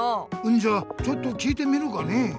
んじゃちょっと聞いてみるかね。